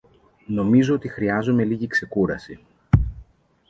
Νομίζω ότι χρειάζομαι λίγη ξεκούραση.